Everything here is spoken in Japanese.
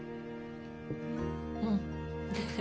うん。